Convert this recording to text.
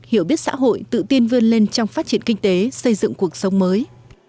hiểu biết xã hội tự tiên vươn lên trong phát triển kinh tế xây dựng cuộc sống mới